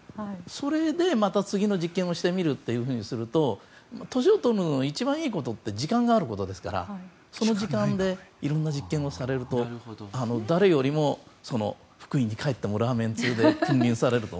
それでまた次の実験をしてみるとすると年を取ることの一番いいことは時間があることですのでその時間を使っていろいろな実験をされると誰よりも福井に帰ってもラーメン通で君臨されると。